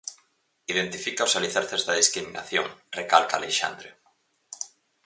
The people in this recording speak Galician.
Identifica os alicerces da discriminación, recalca Aleixandre.